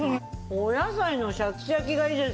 お野菜のシャキシャキがいいですよね。